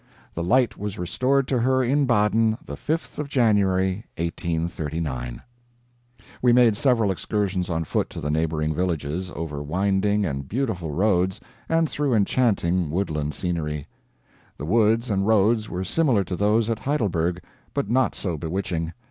The light was restored to her in Baden the 5th of January, 1839 We made several excursions on foot to the neighboring villages, over winding and beautiful roads and through enchanting woodland scenery. The woods and roads were similar to those at Heidelberg, but not so bewitching.